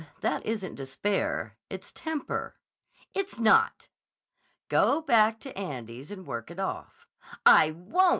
That isn't despair. It's temper." "It's not." "Go back to Andy's and work it off." "I wont!"